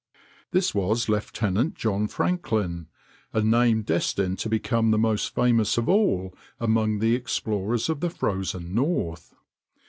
This was Lieutenant John Franklin—a name destined to become the most famous of all among the explorers of the frozen North.